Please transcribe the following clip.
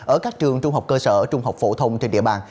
ở các trường trung học cơ sở trung học phổ thông trên địa bàn